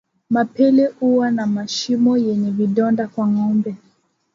Mapele huwa na mashimo yenye vidonda kwa ngombe